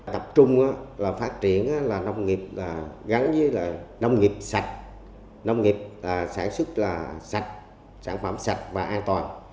tập trung là phát triển là nông nghiệp gắn với nông nghiệp sạch nông nghiệp sản xuất là sạch sản phẩm sạch và an toàn